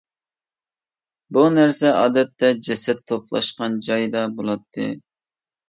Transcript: بۇ نەرسە ئادەتتە جەسەت توپلاشقان جايدا بولاتتى.